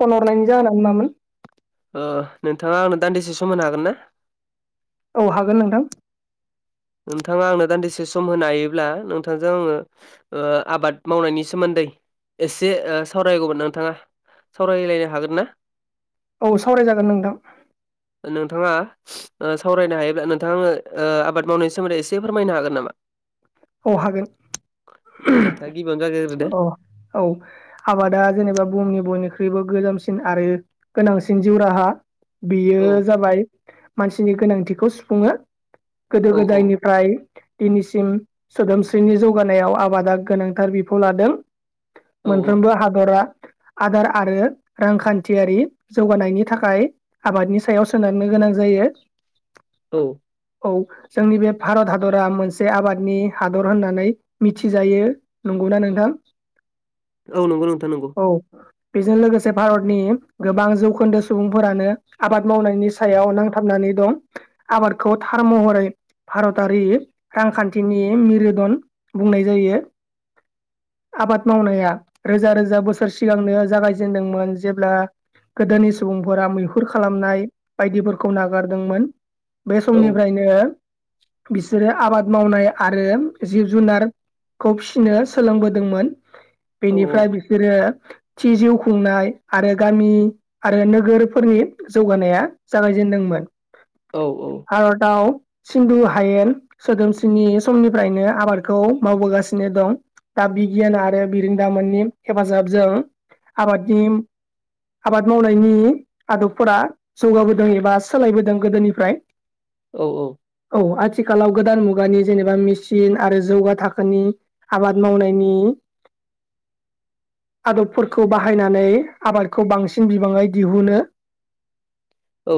Phone हरनायनि जाहोना मामोन ओ नोंथाङा आंनो दान्दिसे समो हागोन ना औ हागोन नोंथां नोंथाङा आंनो दान्दिसे सम होनो हायोब्ला नोंथांजों आङो आबाद मावनायनि सोमोन्दै एसे ओ सावरायगौमोन नोंथाङा सावरायलायनो हागोन ना औ सावरायजागोन नोंथां नोंथाङा ओ सावरायनो हायोब्ला नोंथाङो ओ आबाद मावनायनि सोमोन्दै एसे फोरमायनो हागोन नामा? औ हागोन दे नोंथाङा गिबियावनो जागायग्रोदो अ औ आबादा जेनेबा बुहुमनि बयनि ख्रुइबो गोजामसिन आरो गोनांसिन जिउ राहा बेयो औ जाबाय मानसिनि गोनांथिखौ सुफुङो गोदो औ गोदायनिफ्राय दिनैसिम सोदोमस्रिनि जौगानायाव आबादा गोनांथार बिफाव लादों औ मोनफ्रोमबो हादरा आदार आरो रांखान्थियारि जौगानायनि थाखाय आबादनि सायाव सोनारनो गोनां जायो। औ औ जोंनि बे भारत हादरा मोनसे आबादनि हादर होननानै मिथिजायो नंगौना नोंथां औ नंगौ नोंथां नंगौ। औ बेजों लोगोसे भारतनि गोबां जौखोन्दो सुबुंफोरानो आबाद मावनायनि सायाव नांथाबनानै दं आबादखौ थार महरै भारतारि रांखान्थिनि मेरदन बुंनाय जायो आबाद मावनाया रोजा रोजा बोसोर सिगांनो जागायजेनदोंमोन जेब्ला गोदोनि सुबुंफोरा मैहुर खालामनाय बायदिफोरखौ नागारदोंमोन बे औ समनिफ्रायनो बिसोरो आबाद मावनाय आरो जिब जुनारखौ फिसिनो सोलोंबोदोंमोन औ बेनिफ्राय बिसोरो थि जिउ खुंनाय आरो गामि आरो नोगोरफोरनि जौगानाया जागायजेन दोंमोन औ औ भारताव सिन्दु हायेन सोदोमस्रिनि समनिफ्रायनो आबादखौ मावबोगासिनो दं दा बिगियान आरो बिरिदामोननि हेफाजाब जों आबादनि आबाद मावनायनि आदबफोरा जौगाबोदों एबा सोलायबोदों गोदोनिफ्राय औ औ औ‌ आथिखालाव गोदान मुगानि जेनेबा मेसिन आरो जौगा थाखोनि आबाद मावनायनि आदबफोरखौ बाहायनानै आबादखौ बांसिन बिबाङै दिहुनो [inaudible] औ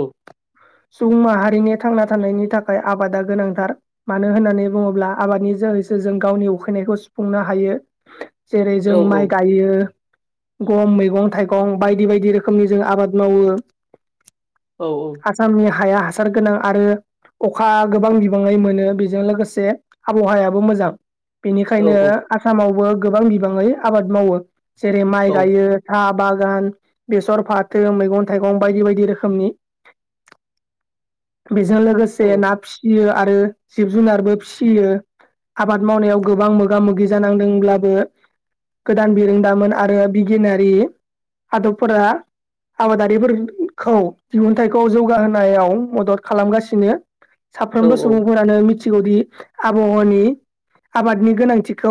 सुबुं माहारिनि थांना थानायनि थाखाय आबादा गोनांथार मानो होननानै नानै बुङोब्ला आबादनि जोहैसो जों गावनि उखैनायखौ सुफुंनो हायो जेरै जों माइ गायो गम मैगं थाइगं बायदि बायदि रोखोमनि जों आबाद मावो औ आसामनि हाया हासार गोनां आरो अखा गोबां बिबाङै मोनो बेजों लोगोसे से आबहावायाबो मोजां बेनिखायनो आसामावबो गोबां बिबाङै आबाद मावो जेरै माइ गायो [unintelligible] बागान बेसर फाथो मैगं थाइगं बायदि बायदि रोखोमनि बेजों लोगोसे ना फिसियो आरो जिब जुनारबो फि फिसियो आबाद मावनायाव गोबां मोगा मोगि जानांदोंब्लाबो गोदान बिरोंदामोन आरो बिगियानारि आदबफोरा आबादारिफोरखौ दिहुनथाइखौ जौगाहोनायाव मदद खालामगासिनो साफ्रोमबो सुबुंफोरानो मिथिगौदि आबहावानि आबादनि गोनांथिखौ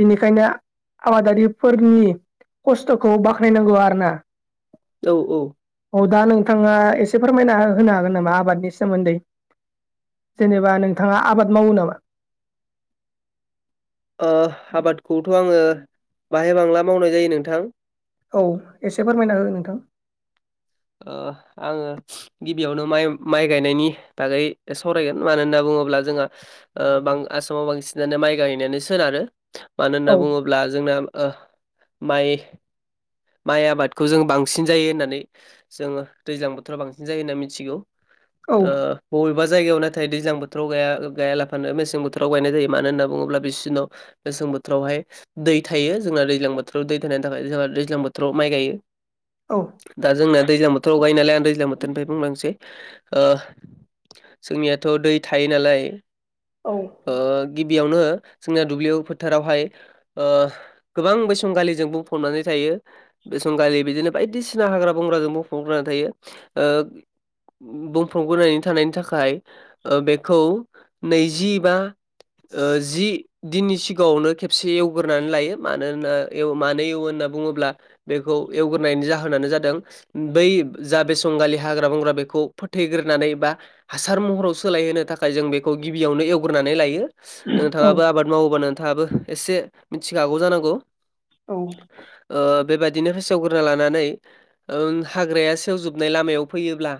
बिनिखायनो आबादारिफोरनि खस्थखौ बाखनाय नांगौ आरोना औ औ औ दा नोंथाङा एसे फोरमायना होनो हागोन नामा आबादनि सोमोन्दै जेनेबा नोंथाङा आबाद मावो नामा ओ आबादखौथ आङो बाहाय बांला मावनाय जायो नोंथां औ एसे फोरमायना हो नोंथां ओह आङो गिबियावनो माइ माइ गायनायनि बागै सावरायगोन मानो होनना बुङोब्ला बुङोब्ला जोंहा ओ आसामाव बांसिनानो माइ गायनानो सोनारो मानो होनना औ बुङोब्ला जोंना ओह माइ माइ आबादखौ जों बांसिन जायो होननानै जोङो दैज्लां बोथोराव बांसिन जायो होनना मिथिगौ ओ औ बबेबा बबेबा जायगायाव नाथाय दैज्लां बोथोराव गाया गायालाफानो मेसें बोथोराव गायनाय जायो मानो होनना बुङोब्ला बिसिनाव बोथोरावहाय दै थायो जोंना दैज्लां बोथोराव दै थानायनि थाखाय जोंहा दैज्लां बोथोराव माइ गायो औ दा जोंना दैज्लां बोथोराव गायो नालाय आं दैज्लां बोथोरनिफ्राय बुंलांनोसै ओह जोंनियाथ दै थायो नालाय औ ओ गिबि बियावनो जोंना दुब्लियाव फोथारावहाय गोबां बैसंगालिजों बुंफबनानै थायो बेसंगालि बिदिनो बायदिसिना हाग्रा बंग्राजों बुंफबग्रोनानै थायो ओ बुंफबगोरनानै थानायनि थाखाय ओ बेखौ नैजि बा ओ जि दिननि सिगाङावनो खेबसे एवग्रोनानै लायो मानो होनना एव मानो एवो होनना बुङोब्ला बेखौ एवग्रोनायनि जाहोनानो जादों बै जा बेसंगालि हाग्रा बंग्रा बेखौ फोथैग्रोनानै बा हासार महराव सोलायहोनो थाख थाखाय जों बेखौ गिबियावनो एवग्रोनानै लायो। औ नोंथाङाबो आबाद मावोबा नोंथाङाबो एसे मिथिखागौ जानांगौ। औ। ओ बेबायदिनो फेसेवग्रोना लानानै ओम हाग्राया सेवजोबनाय लामायाव फैयोब्ला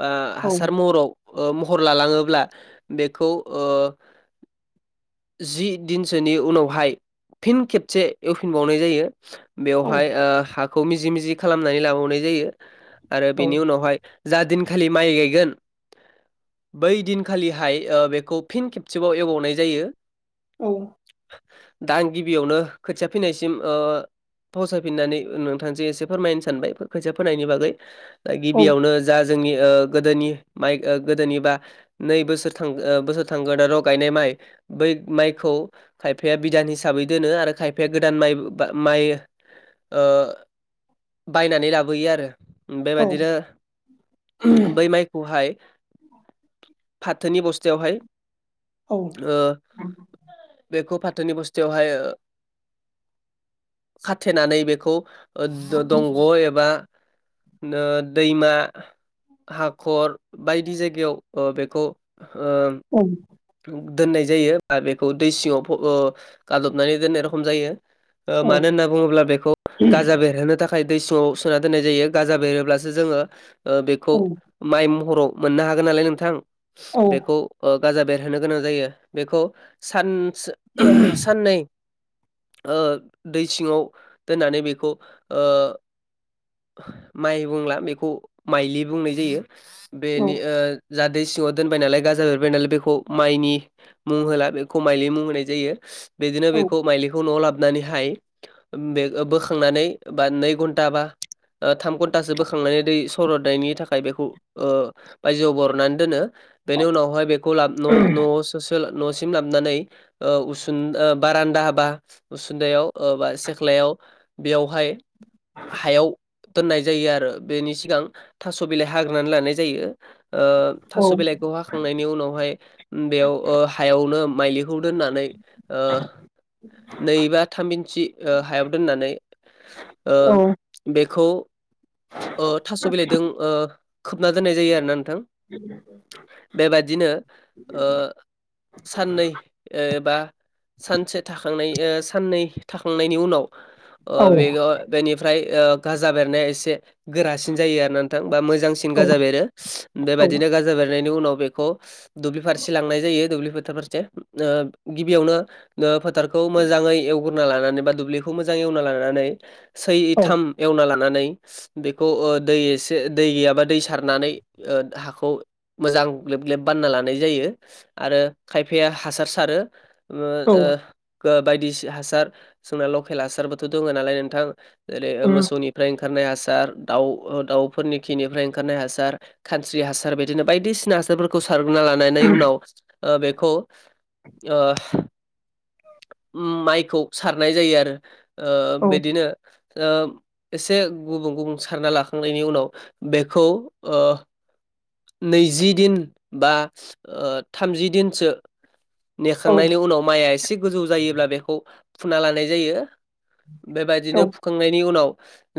बा हासार महराव ओ महर लालाङोब्ला बेखौ ओ जि दिनसोनि उनावहाय फिन खेबसे एवफिनबावनाय जायो। औ बेवहाय ओ हाखौ मिजि मिजि खालामनानै लाबावनाय जायो आरो बेनि उनावहाय जा दिनखालि माइ गायगोन बै दिनखालिहाय ओ बेखौ फिन खेबसेबाव एवबावनाय जायो। औ। दा आं गिबियावनो खोथिया फोनायसिम ओ फाउसायफिननानै नोंथांजों एसे फोरमायनो सानबाय खोथिया फोनायनि बागै दा गिबियावनो जा जोंनि ओ गोदोनि माइ गोदोनि बा नै बोसोर बोसोर थांगोदानाव गायनाय माइ बै माइखौ खायफाया बिधान हिसाबै दोनो आरो खायफाया गोदान माइ बा माइ ओ बायनानै लाबोयो आरो। बेबायदिनो बै माइखौहाय फाथोनि बस्थायावहाय औ। ओ बेखौ फाथोनि बस्थायावहाय खाथेनानै बेखौ ओ दंग' एबा नो दैमा हाखर बायदि जायगायाव ओ बेखौ ओ औ दोननाय जायो बा बेखौ दै सिङाव फब गादबनानै दोननाय रखम जायो। ओ औ मानो होनना बुङोब्ला बेखौ गाजा बेरहोनो थाखाय दै सिङाव सोना दोन्नाय जायो गाजा बेरोब्लासो जोङो ओ बेखौ माइ महराव मोननो हागोन नालाय नोंथां बेखौ ओ गाजा बेरहोनो गोनां जायो बेखौ सान साननै ओ दै सिङाव दोननानै बेखौ ओ माइ बुंला बेखौ माइलि बुंनाय जायो बेनि ओ जादै सिङाव दोनबाय नालाय गाजा बेरबाय नालाय बेखौ माइनि मुं होला बेखौ माइलि मुं होनाय जायो। बिदिनो बेखौ मायलिखौ न'आव लाब नानैहाय बे बोखांनानै बा नै घन्टा बा ओ थाम घन्टासो बोखांनानै दै सरटनायनि थाखाय बेखौ ओ बायजोआव बरनानै दोनो बेनि उनावहाय बेखौ लाब न'न'आव सस न'सिम लाबनानै ओ उसुं बारान्दा बा उसुन्दायाव ओ बा सेख्लायाव बेयावहाय हायाव दोननाय जायो आरो बेनि सिगां थास' बिलाइ हाग्रोनानै लानाय जायो। ओ थास' बिलाइखौ हाखांनायनि उनावहाय बेयाव हायावनो माइलि बेखौ दोननानै ओ नैबा थाम इन्सि हायाव ओ दोननानै ओ बेखौ ओ थास बिलाइजों ओ खोबना दोननाय जायो आरोना नोंथां। बेबादिनो ओ साननै ओ बा सानसे थाखांनाय ओ साननै थाखांनायनि उनाव ओ बे बेनिफ्राय ओ गाजा बेरनाया एसे गोरासिन जायो आरो नोंथां बा मोजां मोजांसिन गाजा बेरो बेबायदिनो गाजा बेरनायनि उनाव बेखौ दुब्लि फारसे लांनाय जायो दुब्लि [unintelligible] गिबियावनो ओ फोथारखौ मोजाङै एव गोरना लानानै बा दुब्लिखौ मोजां एवना लानानै सैथाम एवना लानानै बेखौ ओ दै एसे दै गैयाब्ला दै सारनानै ओ हाखौ मोजां ग्लेब ग्लेब बानायना लानाय जायो आरो खायफाया हासार सारो ओ ओ बायदि हासार जोंना लकेल हासारबोथ' दङनालाय नोंथां एरै मोसौ ओंखारनाय हासार दाउ-दाउफोरनि खिनिफ्राय ओंखारनाय हासार खानस्रि हासार बिदिनो बायदिसि सिना हासारफोरखौ सारग्रोना लानानै उनाव ओ बेखौ ओ माइखौ सारनाय जायो आरो ओ बिदिनो ओ एसे गुबुं गुबुं सारना लाखांनायनि उनाव बेखौ ओ नैजि दिन बा ओ थामजि दिनसो नेखांनायनि उनाव माइआ एसे गोजौ जायोब्ला बेखौ फुना लानाय जायो बेबायदिनो फुखांनायनि उनाव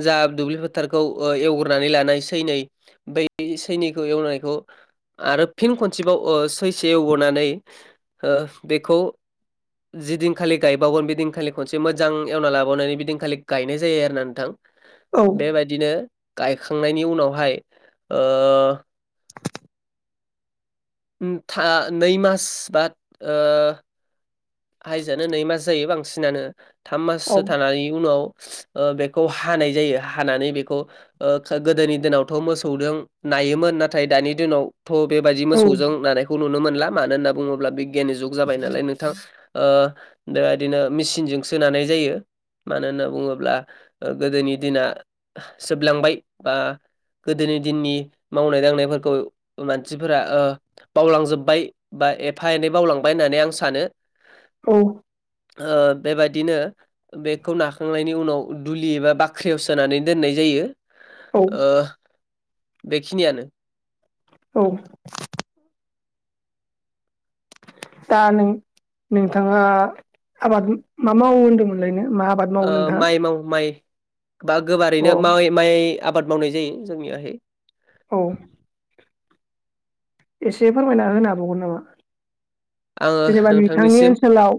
जा दुब्लि फोथारखौ ओ एवग्रोनानै लानाय सैनै बै सैनै खौ एवनायखौ आरो फिन खनसेबाव ओ सैसे एवबनानै ओ बेखौ जिदिनखालि गायबावगोन बेदिनखालि खनसे मोजां एवना लाबावनानै बिदिनखालि गायनाय जायो आरोना नोंथां बेबायदिनो गायखांनायनि उनावहाय ओ था नै मास बा ओ हाइजोआनो नै मास जायो बांसिनानो थाम माससो थानानै उनाव ओ बेखौ हानाय जायो हानानै बेखौ ओ गोदोनि दिनावथ' मोसौदों हायोमोन नाथाय दानि दिनाव थ' बेबायदि मोसौजों नानायखौ नुनो मोनला मानो होनना बुङोब्ला बिगियाननि जुग जाबायनालाय नोंथां ओ बेबादिनो मेसिनजोंसो नानाय जायो मानो होनना बुङोब्ला ओ गोदोनि दिना जोबलांबाय बा गोदोनि दिननि मावनाय दांनायफोरखौ मानसिफोरा ओ बावलांजोबबाय बा एफा एनै बावलांबाय होननानै आ सानो ओ बेबादिनो बेखौ नाखांनायनि उनाव दुलि एबा बाख्रियाव सोनानै दोननाय जायो ओ बेखिनियानो औ दा नों नोंथाङा आबाद मा मावो होनदोंमोनलायनो मा आबाद मावो ओ नोंथाङा माइ माव माइ बा अ गोबारैनो माव माइ आबाद मावनाय जायो जोंनियाहाय औ एसे फोरमायना होनो हाबावगोन नामा आङो जेनेबा नोंथांनि नोंथांनिसिम ओनसोलाव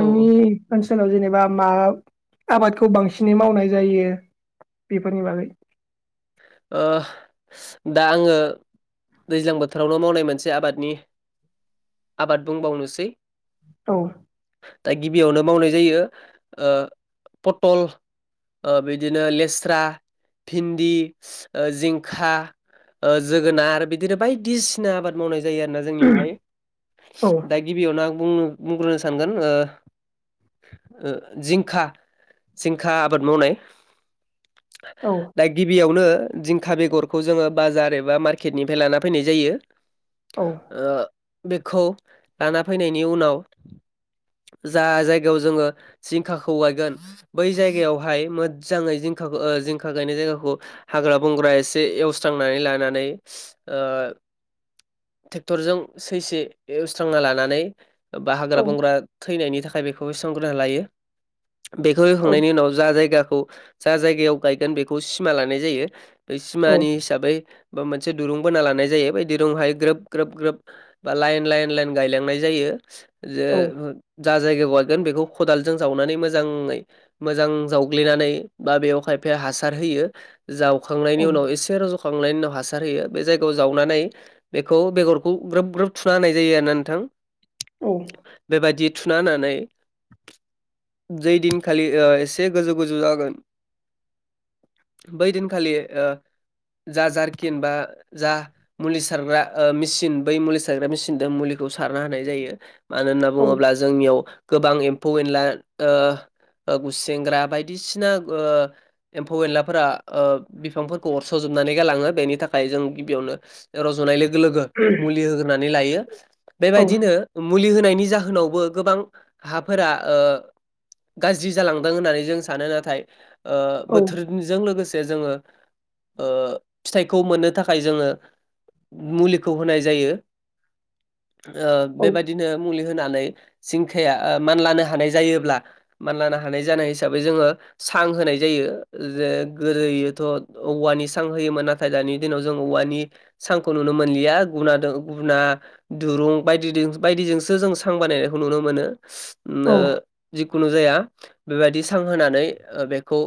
औ औ ओनसोलाव जेनेबा मा आबादखौ बांसि नै मावनाय जायो बेफोरनि बागै ओ दा आङो दैज्लां बोथोरावल' मावनाय मोनसे आबादनि आबाद बुंबावनोसै औ दा गिबियावनो मावनाय जायो ओ पटल ओ बिदिनो लेस्रा भिन्दि ओ जिंखा ओ जोगोनार बिदिनो बायदिसिना आबाद मावनाय जा जायो आरोना जोंनियावहाय औ दा गिबियावनो आं बुंग्रोनो सानगोन ओ ओ जिंखा जिंखा आबाद मावनाय औ दा गिबियाव नो जिंखा बेगरखौ जोङो बाजार एबा मार्केटनिफ्राय लाना फैनाय जायो औ ओ बेखौ लाना फैनायनि उनाव जा जायगायाव जोङो जिंखाखौ गायगोन बै जायगायावहाय मोदजाङै जिंखा जिंखा गायनाय जायगाखौ हाग्रा बंग्रा एसे एवस्रांनानै लानानै ओ ट्रेक्टरजों सैसे एवस्रांना लानानै बा हाग्रा औ बंग्रा थैनायनि थाखाय बेखौ एवस्रांग्रोना लायो बेखौ औ एखांनायनि उनाव जा जायगाखौ जा जायगायाव गायगोन बेखौ सिमा लानाय जायो बे औ सिमानि हिसाबै बा मोनसे दुरुं बोना लानाय जायो बाय दिरुंहाय ग्रोब ग्रोब ग्रोब बा लाइन लाइन लाइन गायलांनाय जायो जे औ जा जायगायाव गायगोन बेखौ खदालजों जावनानै मोजाङै मोजां जावग्लिनानै बा बेवहाय हासार होयो औ जावखांनायनि उनाव एसे रज' खांनायनि उनाव हासार होयो। बे जायगायाव जावनानै बेखौ बेगरखौ ग्रोब ग्रोब थुना होनाय जायो आरो नोंथां। बेबायदि थुना होननानै जै दिनखालि एसे गोजौ गोजौ जागोन बैदिन खालि जा जारकिन बा जा मुलि सारग्रा मेचन बै मुलि सारग्रा मेसिनजों मुलि बेखौ सारनो हानाय जायो मानो होनना औ बुंङोब्ला जोंनियाव गोबां एम्फौ एनला ओ गुसेेंग्रा बायदिसिना ओ एम्फौ एनलाफोरा ओ बिफांफोरखौ अरसजोबनानै गालाङो बेनि थाखाय जों गिबियावनो रज'नाय लोगो लोगो लोगो बेबायदिनो मुलि होग्रोनानै लायो औ बेबादिनो मुलि होनायनि नि जाहोनावबो गोबां हाफोरा ओ गाज्रि जालांदों होननानै जों सानो नाथाय ओ बोथोरजों लोगोसे जोंङो ओ फिथाइखौ मोननो थाखाय जोंङो मुलिखौ होनाय जायो ओ औ बेबायदिनो मुलि होननानै जिंखाया मानलानो हानाय जायोब्ला मानलानो हानाय जानाय हिसाबै जोंङो सां होनाय जायो जे ओरोयोथ' औवानि सां होयोमोन नाथाय दानि दिनाव जों औवानि सांखौ नुनो मोनलिया गुना गुना दुरुं बायदि बायदिजोंसो जों सां बानायनायखौ नुनो मोनो ओम औ ओ जिखुनु जाया बेबायदि सां होनानै बेखौ